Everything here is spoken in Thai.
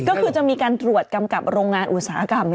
ก็คือจะมีการตรวจกำกับโรงงานอุตสาหกรรม